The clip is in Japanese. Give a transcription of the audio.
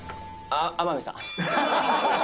天海さん。